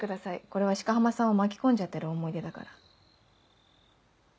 これは鹿浜さんを巻き込んじゃってる思い出だから。